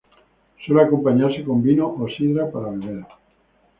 Suele acompañarse con vino o sidra para beber.